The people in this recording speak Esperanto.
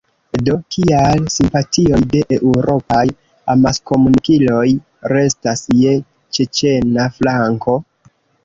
Do kial simpatioj de eŭropaj amaskomunikiloj restas je ĉeĉena flanko?